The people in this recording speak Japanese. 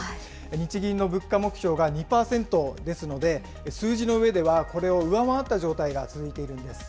日銀の物価目標が２％ですので、数字の上では、これを上回った状態が続いているんです。